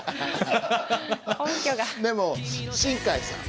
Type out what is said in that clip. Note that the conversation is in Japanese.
でも新海さん。